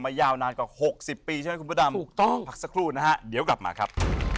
ยาวนานกว่า๖๐ปีใช่ไหมคุณพระดำถูกต้องพักสักครู่นะฮะเดี๋ยวกลับมาครับ